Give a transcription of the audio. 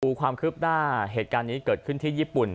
ความคืบหน้าเหตุการณ์นี้เกิดขึ้นที่ญี่ปุ่น